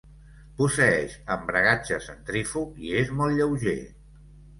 Posseeix embragatge centrífug i és molt lleuger.